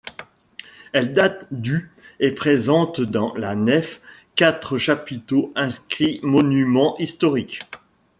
Elle date du et présente dans la nef quatre chapiteaux inscrits monuments historiques.